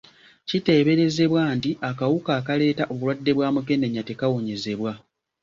Kiteeberezebwa nti akawuka akaleeta obulwadde bwa mukenenya tekawonyezebwa.